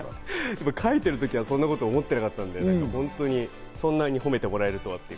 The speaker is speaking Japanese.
描いてる時は、そんなこと思ってなかったので、そんなに褒めてもらえるとはと。